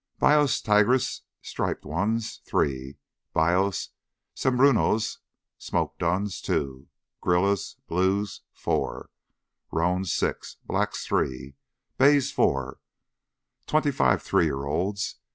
Bayos tigres—striped ones —three. Bayos cebrunos—smoked duns—two. Grullas—blues—four. Roans—six. Blacks—three. Bays—four. Twenty five three year olds.